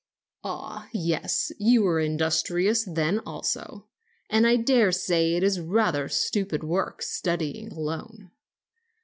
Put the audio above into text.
"Ah, yes; you were industrious then, also. And I dare say it is rather stupid work studying alone."